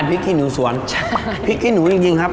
พี่กินดิจริงครับ